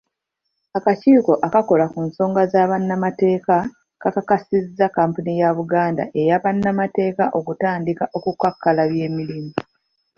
Akakiiko akakola ku nsonga z'abannamateeka, kakakasizza kampuni ya Buganda eya Bannamateeka okutandika okukakkalabya emirimu.